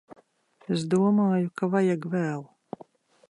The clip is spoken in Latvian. Es domāju ka vajag vēl.